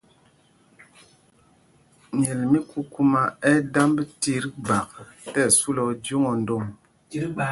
Myɛl mí kukumá ɛ́ ɛ́ damb tit gbak tí ɛsu lɛ ojǒŋ o ndom.